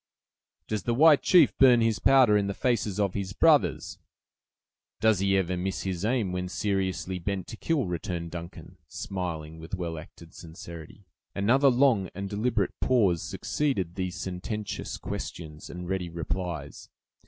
"Does the white chief burn his powder in the faces of his brothers?" "Does he ever miss his aim, when seriously bent to kill?" returned Duncan, smiling with well acted sincerity. Another long and deliberate pause succeeded these sententious questions and ready replies.